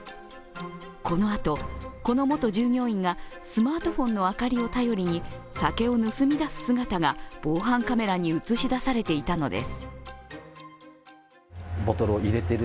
このあと、この元従業員がスマートフォンの明かりを頼りに酒を盗み出す姿が防犯カメラに映し出されていたのです。